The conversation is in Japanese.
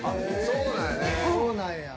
そうなんや。